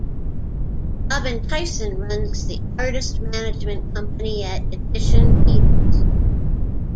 Robin Tyson runs the artist management company at Edition Peters.